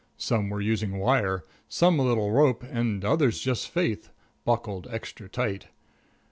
Some were using wire, some a little rope, and others just faith buckled extra tight.